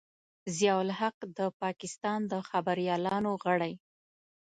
ضیا الحق د پاکستان د خبریالانو غړی.